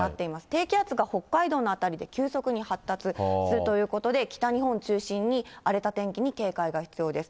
低気圧が北海道の辺りで、急速に発達するということで、北日本を中心に荒れた天気に警戒が必要です。